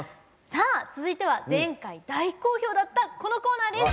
さあ続いては前回大好評だったこのコーナーです。